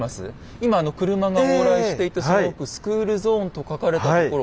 今あの車が往来していたその奥「スクールゾーン」と書かれたところ。